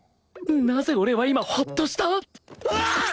なぜ俺は今ホッとした？あっ！